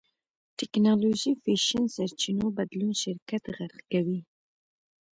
ټېکنالوژي فېشن سرچينو بدلون شرکت غرق کوي.